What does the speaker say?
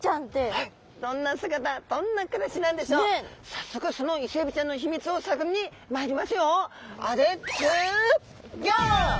早速そのイセエビちゃんの秘密を探りに参りますよ！